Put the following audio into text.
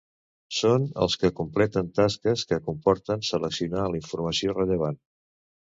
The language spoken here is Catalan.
Són els que completen tasques que comporten seleccionar la informació rellevant.